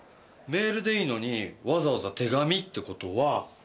メールでいいのにわざわざ手紙って事は。